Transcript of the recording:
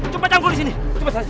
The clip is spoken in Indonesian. coba cangkul di sini coba kanjeng